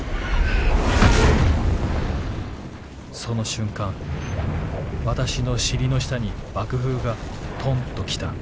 「その瞬間私の尻の下に爆風がとんと来た。